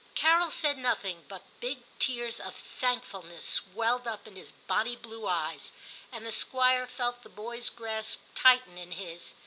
Carol said nothing, but big tears of thank fulness swelled up in his bonnie blue eyes, and the Squire felt the boy's grasp tighten in his.